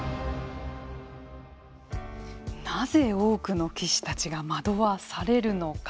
なぜ多くの棋士たちが惑わされるのか。